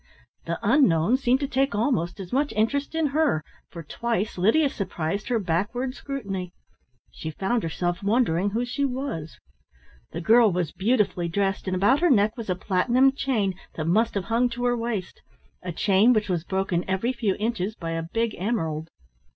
The unknown seemed to take almost as much interest in her, for twice Lydia surprised her backward scrutiny. She found herself wondering who she was. The girl was beautifully dressed, and about her neck was a platinum chain that must have hung to her waist a chain which was broken every few inches by a big emerald.